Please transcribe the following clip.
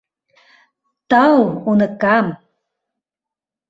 Тау, уныкам!..